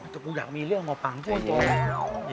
แต่กูอยากมีเรื่องออกมาฟังพวกโจ๊ก